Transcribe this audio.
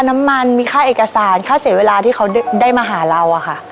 น้ำมันมีค่าเอกสารค่าเสียเวลาที่เขาได้มาหาเราอะค่ะ